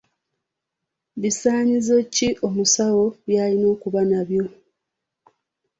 Bisaanyizo ki omusawo by'alina okuba nabyo?